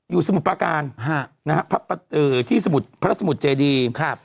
สมุทรประการฮะนะฮะที่สมุทรพระสมุทรเจดีครับ